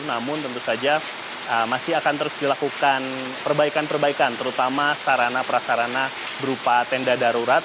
namun tentu saja masih akan terus dilakukan perbaikan perbaikan terutama sarana prasarana berupa tenda darurat